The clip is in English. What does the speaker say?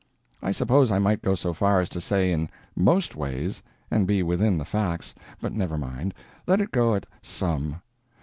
I suppose I might go so far as to say in most ways, and be within the facts, but never mind; let it go at some.